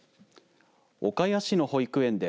岡谷市の保育園で